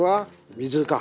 水か。